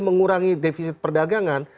mengurangi defisit perdagangan